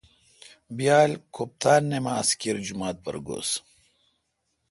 بیال کُھپتان نما ز کر جما ت پر گُس۔